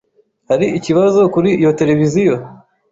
Hari ikibazo kuri iyo tereviziyo?